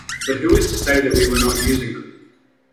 But who is to say that we were not using them?